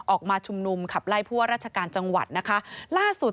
ออกมาชุมนุมขับไล่ผู้ว่าราชการจังหวัดนะคะล่าสุด